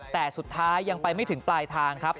แต่สุดท้ายยังไปไม่ถึงปลายทางครับ